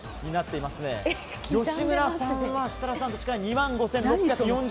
吉村さんは設楽さんと近い２万５６４０円。